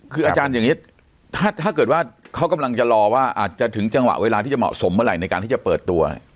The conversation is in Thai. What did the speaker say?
คืออาจารย์อย่างนี้ถ้าเกิดว่าเขากำลังจะรอว่าอาจจะถึงจังหวะเวลาที่จะเหมาะสมเมื่อไหร่ในการที่จะเปิดตัวเนี่ย